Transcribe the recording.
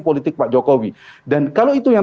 politik pak jokowi dan kalau itu yang